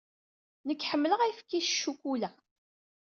Nekk ḥemmleɣ ayefki s ccukula.